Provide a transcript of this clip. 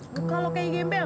muka lo kayak gembel